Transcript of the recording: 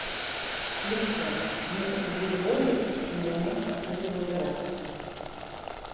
І яшчэ, мне прысудзілі болей, чым я ў месяц атрымліваю заробку.